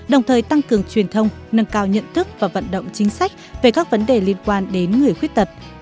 đồng thời tăng cường truyền thông nâng cao nhận thức và vận động chính sách về các vấn đề liên quan đến người khuyết tật